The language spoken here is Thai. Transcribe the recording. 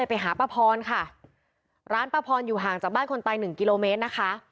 ไปหาป้าพรค่ะร้านป้าพรอยู่ห่างจากบ้านคนตายหนึ่งกิโลเมตรนะคะ